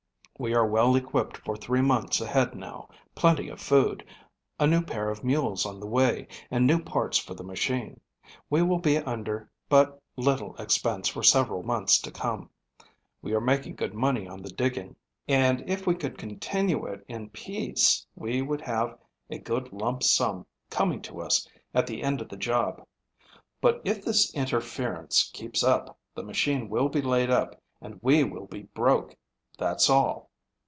We are well equipped for three months ahead now, plenty of food, a new pair of mules on the way, and new parts for the machine. We will be under but little expense for several months to come. We are making good money on the digging, and if we could continue it in peace, we would have a good lump sum coming to us at the end of the job. But if this interference keeps up, the machine will be laid up and we will be broke that's all."